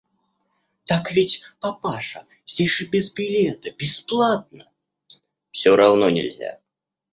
– Так ведь, папаша, здесь же без билета, бесплатно! – Все равно нельзя.